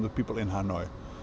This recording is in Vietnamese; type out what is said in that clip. và người ở hà nội